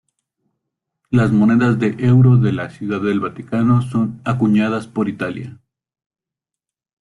Las monedas de euro de la Ciudad del Vaticano son acuñadas por Italia.